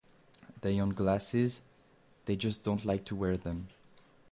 They own glasses, they just don’t like to wear them.